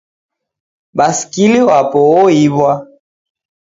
Baskili wapo oiw'a